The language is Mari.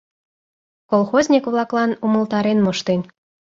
Колхозник-влаклан умылтарен моштен.